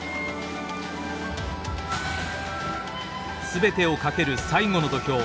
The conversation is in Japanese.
全てをかける最後の土俵。